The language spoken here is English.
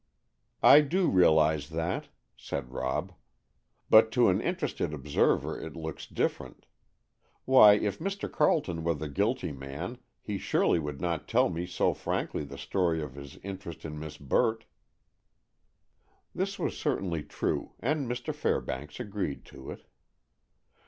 "I do realize that," said Rob; "but to an interested observer it looks different. Why, if Mr. Carleton were the guilty man, he surely would not tell me so frankly the story of his interest in Miss Burt." This was certainly true, and Mr. Fairbanks agreed to it.